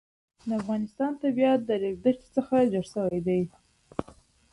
د افغانستان طبیعت له د ریګ دښتې څخه جوړ شوی دی.